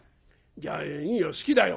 じゃあいいよ好きだよ！」。